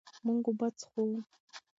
مونږ اوبه څښو.